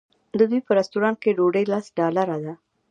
د دوی په رسټورانټ کې ډوډۍ لس ډالره ده.